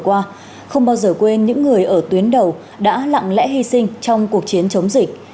hôm qua không bao giờ quên những người ở tuyến đầu đã lặng lẽ hy sinh trong cuộc chiến chống dịch